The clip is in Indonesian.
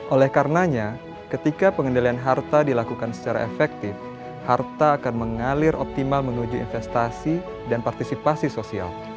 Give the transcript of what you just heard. oleh karenanya ketika pengendalian harta dilakukan secara efektif harta akan mengalir optimal menuju investasi dan partisipasi sosial